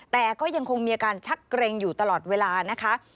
แต่ก็ยังคงมีอาการชักเกร็งอยู่ตลอดเวลานะคะ